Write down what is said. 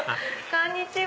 こんにちは。